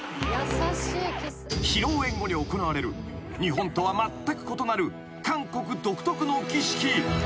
［披露宴後に行われる日本とはまったく異なる韓国独特の儀式。